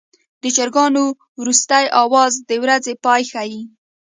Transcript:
د چرګانو وروستی اواز د ورځې پای ښيي.